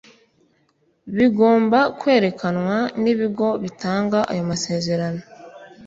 bigomba kwerekanwa n’ibigo bitanga ayo masezerano.